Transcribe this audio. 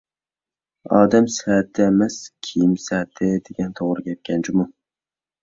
«ئادەم سەتى ئەمەس، كىيىم سەتى» دېگەن توغرا گەپكەن جۇمۇ!